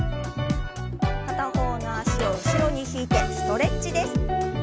片方の脚を後ろに引いてストレッチです。